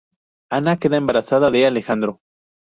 Ana queda embarazada de Alejandro.